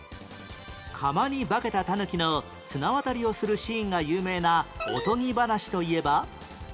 釜に化けた狸の綱渡りをするシーンが有名なおとぎ話といえば？